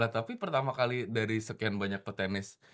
tapi pertama kali dari sekian banyak petenis